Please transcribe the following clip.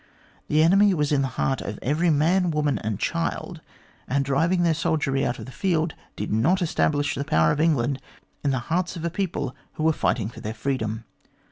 The enemy was in the heart of every man, woman, and child, and driving their soldiery out of the field did not establish the power of England in the hearts of a people who were fight ing for their freedom.